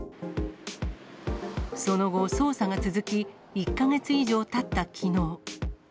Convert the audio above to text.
その後、捜査が続き、１か月以上たったきのう。